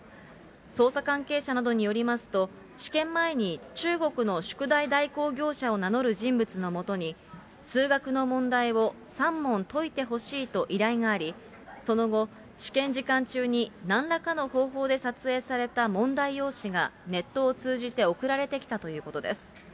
捜査関係者などによりますと、試験前に中国の宿題代行業者を名乗る人物のもとに、数学の問題を３問解いてほしいと依頼があり、その後、試験時間中に何らかの方法で撮影された問題用紙が、ネットを通じて送られてきたということです。